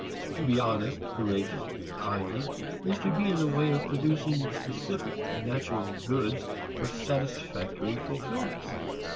To be honest, courageous, kindly is to be in the way of producing specific natural goods or satisfactory fulfilments.